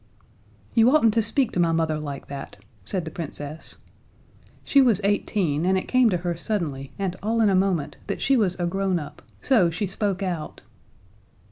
"You oughtn't to speak to my mother like that," said the Princess. She was eighteen, and it came to her suddenly and all in a moment that she was a grown up, so she spoke out.